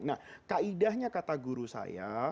nah kaidahnya kata guru saya